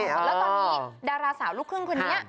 แล้วตอนนี้ดาราสาวลูกครึ่งคนนี้